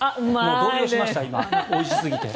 動揺しました、おいしすぎて。